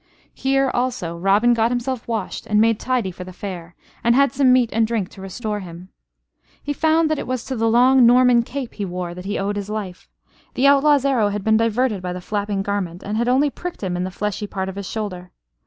Here, also, Robin got himself washed and made tidy for the Fair, and had some meat and drink to restore him. He found that it was to the long Norman cape he wore that he owed his life. The outlaw's arrow had been diverted by the flapping garment, and had only pricked him in the fleshy part of his shoulder.